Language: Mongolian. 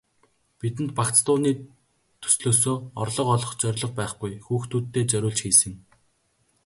Бидэнд багц дууны төслөөсөө орлого олох зорилго байхгүй, хүүхдүүддээ зориулж хийсэн.